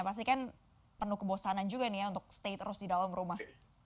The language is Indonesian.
pasti kan penuh kebosanan juga nih ya untuk stay terus di dalam rumah